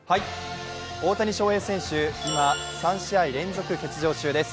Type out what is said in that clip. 大谷翔平選手、今３試合連続欠場中です。